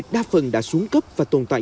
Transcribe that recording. đa phần đã xuống cấp và tồn tại